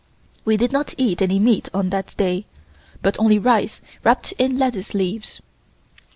We did not eat any meat on that day, but only rice wrapped in lettuce leaves.